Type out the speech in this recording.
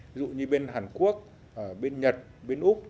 ví dụ như bên hàn quốc bên nhật bên úc